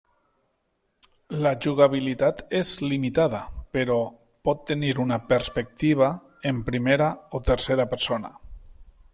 La jugabilitat és limitada, però pot tenir una perspectiva en primera o tercera persona.